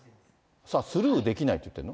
スルーできないって言ってるの？